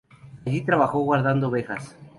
Allí trabajó guardando ovejas.